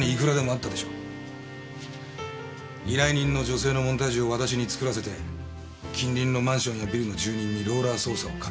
依頼人の女性のモンタージュを私に作らせて近隣のマンションやビルの住人にローラー捜査をかける。